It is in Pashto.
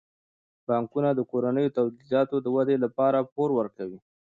بانکونه د کورنیو تولیداتو د ودې لپاره پور ورکوي.